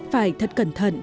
phải thật cẩn thận